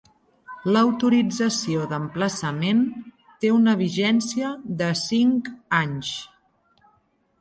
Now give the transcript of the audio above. L'autorització d'emplaçament té una vigència de cinc anys.